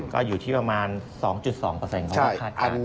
ก็อยู่ที่ประมาณ๒๒ของอัตรฐการณ์